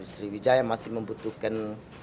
sriwijaya masih membutuhkan